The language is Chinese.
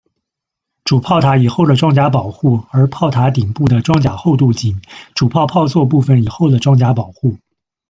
主炮塔以厚的装甲保护，而炮塔顶部的装甲厚度仅；主炮炮座部分以厚的装甲保护。